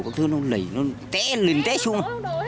các thứ nó lấy nó té lên té xuống